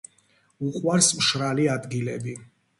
უყვარს მშრალი ადგილები.